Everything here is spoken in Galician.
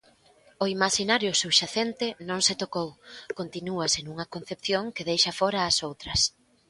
O imaxinario subxacente non se tocou, continúase nunha concepción que deixa fora ás outras.